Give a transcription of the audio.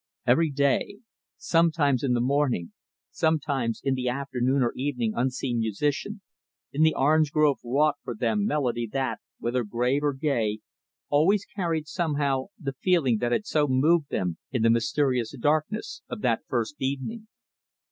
Every day, sometimes in the morning, sometimes in the afternoon or evening unseen musician, in the orange grove wrought for them melodie that, whether grave or gay, always carried, somehow, the feeling that had so moved them in the mysterious darkness of that first evening.